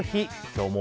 今日も。